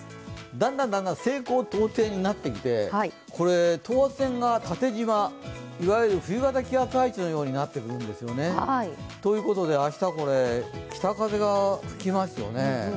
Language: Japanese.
だんだん西高東低になってきて等圧線が縦じま、いわゆる冬型気圧配置のようになってくるんですね。ということで明日、北風が吹きますよね。